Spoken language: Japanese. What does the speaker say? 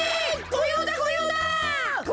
ごようだごようだ！